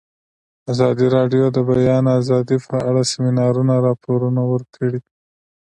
ازادي راډیو د د بیان آزادي په اړه د سیمینارونو راپورونه ورکړي.